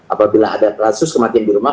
apabila ada kasus kematian di rumah